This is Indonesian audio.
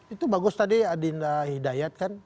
itu bagus tadi adinda hidayat kan